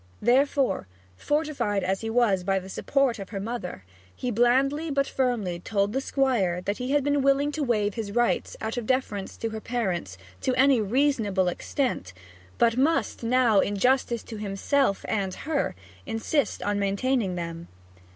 Therefore, fortified as he was by the support of her mother, he blandly but firmly told the Squire that he had been willing to waive his rights, out of deference to her parents, to any reasonable extent, but must now, in justice to himself and her insist on maintaining them.